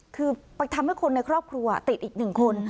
คือทำให้คนในครอบครัวติดอีก๑คน